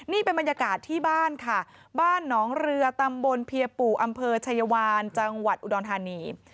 นี่เป็นบรรยากาศที่บ้านค่ะบ้านหนองเรือตำบลเพียปู่อำเภอชายวานจังหวัดอุดรธานี